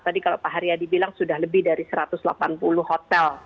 tadi kalau pak haryadi bilang sudah lebih dari satu ratus delapan puluh hotel